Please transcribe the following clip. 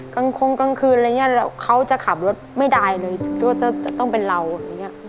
กลางคงกลางคืนอะไรอย่างเงี้ยแล้วเขาจะขับรถไม่ได้เลยต้องเป็นเราอย่างเงี้ย